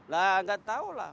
lah gak tahulah